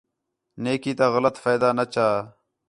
نیکی تا غلط فائدہ نہ چا